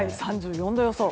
３４度予想。